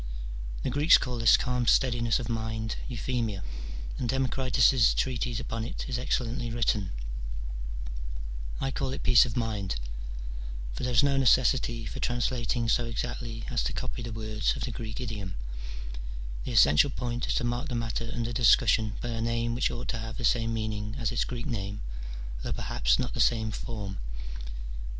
The Greeks call this calm steadiness of mind euthymia, and Democritus's treatise upon it is excel lently written : I call it peace of mind : for there is no necessity for translating so exactly as to copy the words of the Grreek idiom : the essential point is to mark the matter under discussion by a name which ought to have the same meaning as its Greek name, though perhaps not the same form.